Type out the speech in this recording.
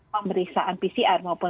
pemeriksaan pcr maupun